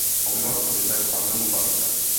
Objevila se tu hvězda jako Antonín Panenka.